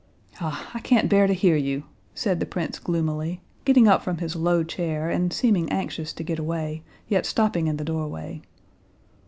"Ah, I can't bear to hear you!" said the prince gloomily, getting up from his low chair, and seeming anxious to get away, yet stopping in the doorway.